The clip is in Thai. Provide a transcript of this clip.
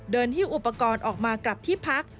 หิ้วอุปกรณ์ออกมากลับที่พัก